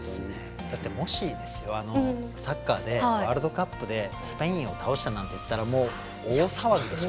もしですよ、サッカーワールドカップで、スペインを倒したなんていったらもう大騒ぎでしょ。